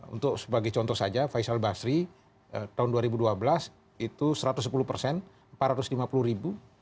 untuk sebagai contoh saja faisal basri tahun dua ribu dua belas itu satu ratus sepuluh persen empat ratus lima puluh ribu